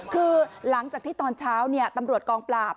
คือหลังจากที่ตอนเช้าตำรวจกองปราบ